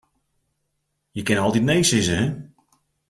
Je kinne altyd nee sizze, hin.